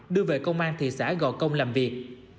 đưa về công an thị xã gò công làm việc